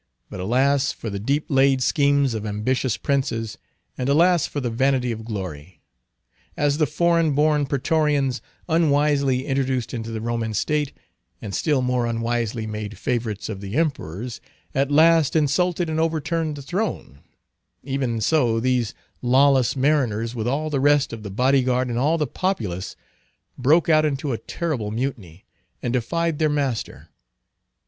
But alas for the deep laid schemes of ambitious princes, and alas for the vanity of glory. As the foreign born Pretorians, unwisely introduced into the Roman state, and still more unwisely made favorites of the Emperors, at last insulted and overturned the throne, even so these lawless mariners, with all the rest of the body guard and all the populace, broke out into a terrible mutiny, and defied their master.